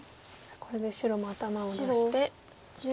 これで白も頭を出して。